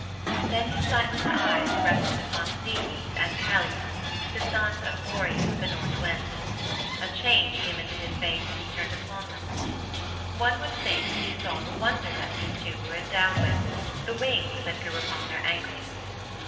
Then his sightless eyes rested upon Zetes and Calais, the sons of Boreas, the North Wind. A change came into his face as it turned upon them. One would think that he saw the wonder that these two were endowed with the wings that grew upon their ankles.